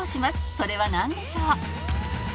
「それはなんでしょう？」